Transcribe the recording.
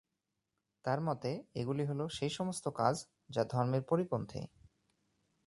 তাঁর মতে, এগুলি হল সেই সমস্ত কাজ যা ধর্মের পরিপন্থী।